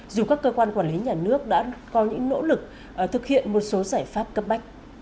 dù các cơ quan quản lý nhà nước đã có những nỗ lực thực hiện một số giải pháp cấp bách